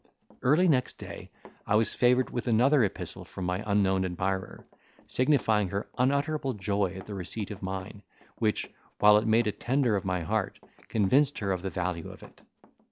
Early next day, I was favoured with another epistle from my unknown admirer, signifying her unutterable joy at the receipt of mine, which, while it made a tender of my heart, convinced her of the value of it.